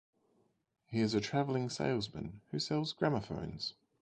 He is a travelling salesman who sells gramophones.